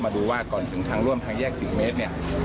มาดูว่าก่อนถึงทางร่วมทางแยกสิบเมตร